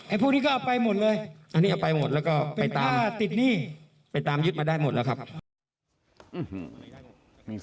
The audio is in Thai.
อันนี้จะไปหมดแล้วก็ไปตามติดหนี้ไปตามยึดมาได้หมดแล้วครับ